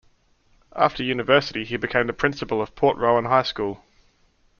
After University he became the Principal of Port Rowan High School.